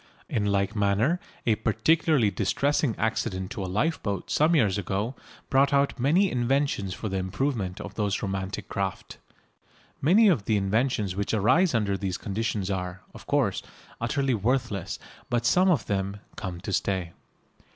In like manner a particularly distressing accident to a lifeboat some years ago brought out many inventions for the improvement of those romantic craft. Many of the inventions which arise under these conditions are, of course, utterly worthless, but some of them "come to stay."